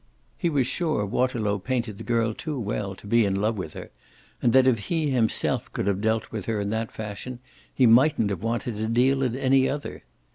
He was sure Waterlow painted the girl too well to be in love with her and that if he himself could have dealt with her in that fashion he mightn't have wanted to deal in any other.